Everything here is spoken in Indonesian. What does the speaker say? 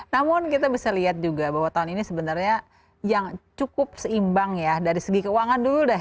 namun kita bisa lihat juga bahwa tahun ini sebenarnya yang cukup seimbang ya dari segi keuangan dulu deh